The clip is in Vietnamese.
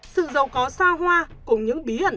sự giàu có xa hoa cùng những bí ẩn